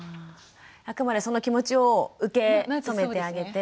あくまでその気持ちを受け止めてあげて。